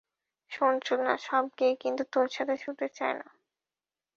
শোন, চোদনা, সব গে কিন্তু তোর সাথে শুতে চায় না।